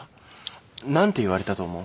何て言われたと思う？